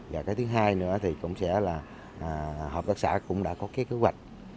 và cái thứ hai nữa thì cũng sẽ là hợp tác xã cũng đã có cái kế hoạch